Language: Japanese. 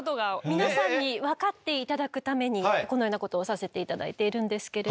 皆さんに分かって頂くためにこのようなことをさせて頂いているんですけれども。